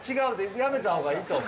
やめた方がいいと思う。